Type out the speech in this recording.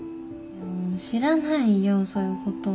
知らないよそういうこと。